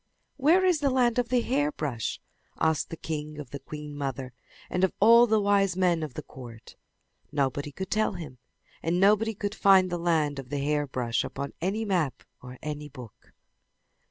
"Where is the land of the hairbrush?" asked the king of the queen mother, and of all the wise men of the court. Nobody could tell him, and nobody could find the land of the hairbrush upon any map or in any book.